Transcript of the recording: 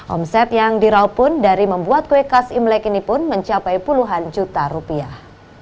omset yang diral pun dari membuat kue khas imlek ini pun mencapai puluhan juta rupiah